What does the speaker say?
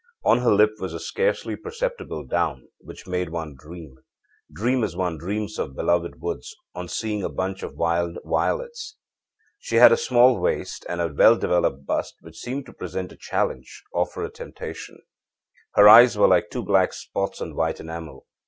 On her lip was a scarcely perceptible down, which made one dream dream as one dreams of beloved woods, on seeing a bunch of wild violets. She had a small waist and a well developed bust, which seemed to present a challenge, offer a temptation. Her eyes were like two black spots on white enamel.